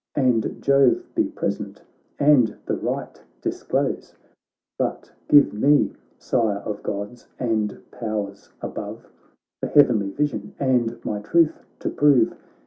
And Jove be present and the right dis close ; But give me, Sire of Gods and powers above. The heavenly vision, and my truth to prove